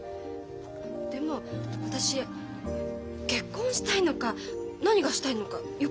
でも私結婚したいのか何がしたいのかよく分からないの。